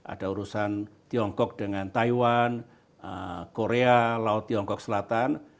ada urusan tiongkok dengan taiwan korea laut tiongkok selatan